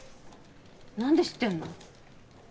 何で知ってんの？